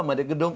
mau di gedung